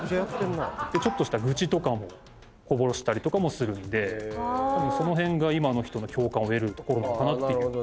ちょっとした愚痴とかもこぼしたりとかもするんでその辺が今の人の共感を得るところなのかなっていう。